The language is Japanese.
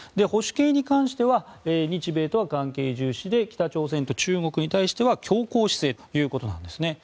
保守系に関しては日米とは関係重視で北朝鮮と中国に対しては強硬姿勢ということです。